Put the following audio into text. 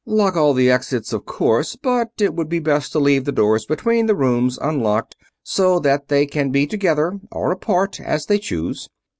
Lock all the exits, of course, but it would be best to leave the doors between the rooms unlocked, so that they can be together or apart, as they choose.